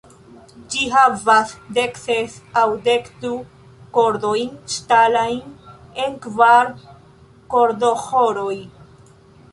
Ĝi havas dekses aŭ dekdu kordojn ŝtalajn en kvar kordoĥoroj.